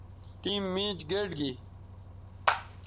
ٹیم میچ گئٹ گی